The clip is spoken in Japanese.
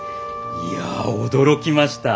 いや驚きました。